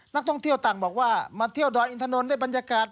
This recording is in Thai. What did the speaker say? นักท่องเที่ยวต่างบอกว่ามาเที่ยวดอยอินทนนท์ได้บรรยากาศ